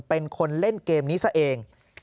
เป็นคนเล่นเกมนี้ซะเอง